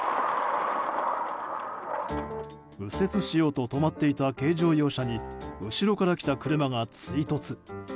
右折しようと止まっていた軽乗用車に後ろから来た車が追突。